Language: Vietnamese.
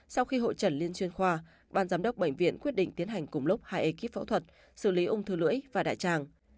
sau khi hội trần liên chuyên khoa ban giám đốc bệnh viện quyết định tiến hành cùng lúc hai ekip phẫu thuật xử lý ung thư lưỡi và đại tràng